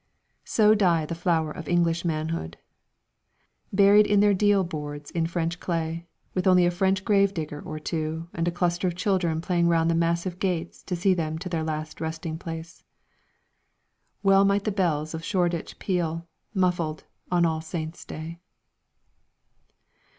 So die the flower of English manhood! Buried in their deal boards in French clay, with only a French grave digger or two and a cluster of children playing round the massive gates to see them to their last resting place. Well might the bells of Shoreditch peal, muffled, on All Saints' Day!